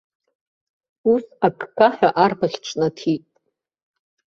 Ус аккаҳәа арбаӷь ҿнаҭит.